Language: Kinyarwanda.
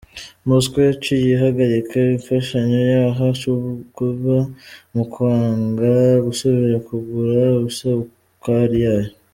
Moscow yaciye ihagarika imfashanyo yaha Cuba mu kwanka gusubira kugura isukari yayo.